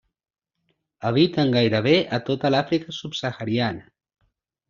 Habiten gairebé a tota l'Àfrica subsahariana.